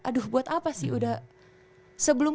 aduh buat apa sih udah sebelum